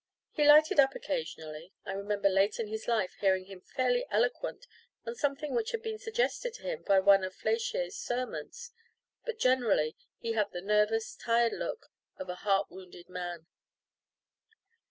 He lighted up occasionally I remember late in his life hearing him fairly eloquent on something which had been suggested to him by one of Fléchier's sermons but generally he had the nervous, tired look of a heart wounded man.